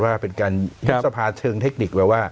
ว่ากั้นยุทธรรพานเชิงเทคลิกว่า